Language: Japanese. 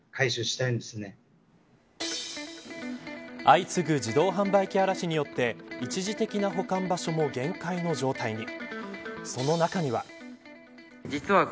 相次ぐ自動販売機荒らしによって一時的な保管場所のも限界の状態に。